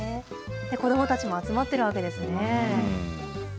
子どもたちも集まってるわけですね。